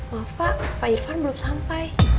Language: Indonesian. maaf pak irfan belum sampai